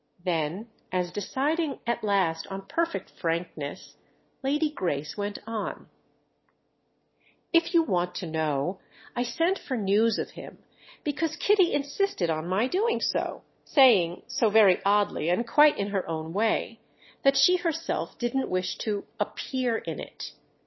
Then, as deciding at last on perfect frankness, Lady Grace went on: "If you want to know, I sent for news of him because Kitty insisted on my doing so; saying, so very oddly and quite in her own way, that she herself didn't wish to 'appear in it.